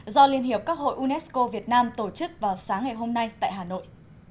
do liên hiệp các hội unesco việt nam tổ chức vào sáng ngày hôm nay tại hà nội